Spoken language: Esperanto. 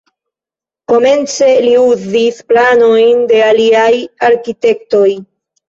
Komence li uzis planojn de aliaj arkitektoj.